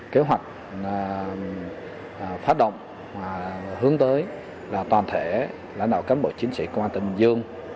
kế hoạch phát động và hướng tới là toàn thể lãnh đạo cán bộ chiến sĩ công an tỉnh bình dương